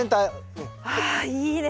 あいいね